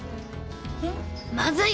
まずい。